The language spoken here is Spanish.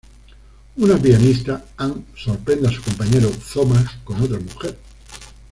Una pianista, Ann, sorprende a su compañero, Thomas, con otra mujer.